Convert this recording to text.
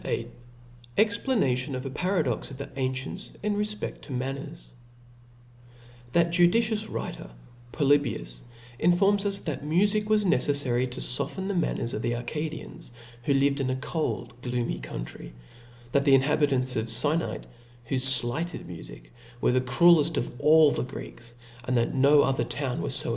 VIIL Explicatwn of a Paradox of the Ancients^ in reJpeSl to Manners, TPHAT judicious writer, Polybius, informs *• us, that mufic was necefTary to foften the manners of the Arcadians, who lived in a cold gloomy country , that the inhabitants of Cy nete, who flighted mufic, were the cruelleft of lU the Greeks, and that no other town was fo f $ucb as were formerly the cities of Gceece.